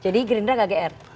jadi gerindah gak gr